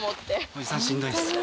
おじさんしんどいっす。